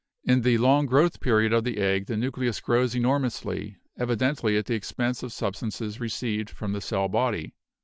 In the long growth period of the egg the nucleus grows enormously, evidently at the expense of substances received from the cell body.